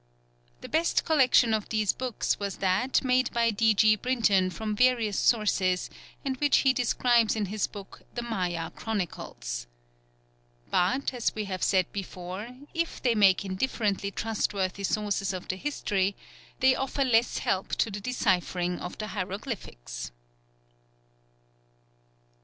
The best collection of these books was that made by D. G. Brinton from various sources, and which he describes in his book The Maya Chronicles. But, as we have said before, if they make indifferently trustworthy sources of history, they offer less help to the deciphering of the hieroglyphics.